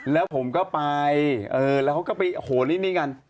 แล้วผมก็ไปแล้วเขาก็ไปโหลิ่นนี่กัน